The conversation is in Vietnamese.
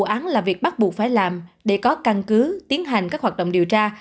vụ án là việc bắt buộc phải làm để có căn cứ tiến hành các hoạt động điều tra